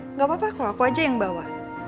enggak apa apa kok aku aja yang bawa